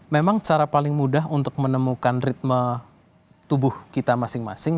memang cara paling mudah untuk menemukan ritme tubuh kita masing masing